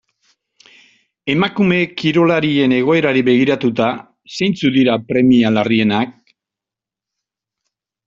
Emakume kirolarien egoerari begiratuta, zeintzuk dira premia larrienak?